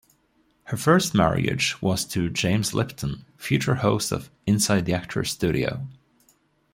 Her first marriage was to James Lipton, future host of "Inside the Actors Studio".